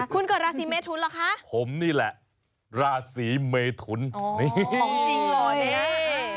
คุณก็ราศีเมฑุ้นเหรอคะผมนี่แหละราศีเมฑุ้นนี่อ๋อจริงเหรอ